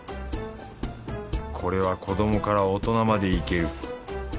これは子どもから大人までいける。